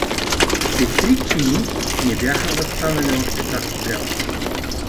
Петричени не бяха въстанали още, както трябва.